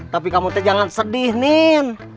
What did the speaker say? tapi kamu tuh jangan sedih nin